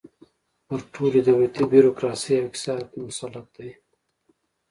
پر ټولې دولتي بیروکراسۍ او اقتصاد مسلط دی.